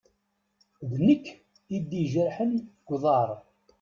D nekk i d-ijerḥen g uḍaṛ.